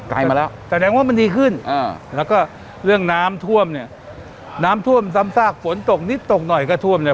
มาแล้วแสดงว่ามันดีขึ้นอ่าแล้วก็เรื่องน้ำท่วมเนี่ยน้ำท่วมซ้ำซากฝนตกนิดตกหน่อยก็ท่วมเนี่ย